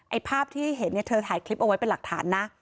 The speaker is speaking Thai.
ภาพที่เห็นเนี่ยเธอถ่ายคลิปเอาไว้เป็นหลักฐานนะ